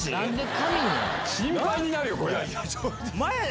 心配になるよこれ。